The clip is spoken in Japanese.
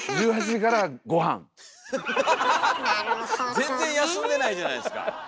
全然休んでないじゃないですか。